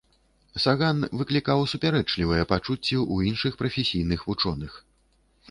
Саган выклікаў супярэчлівыя пачуцці ў іншых прафесійных вучоных.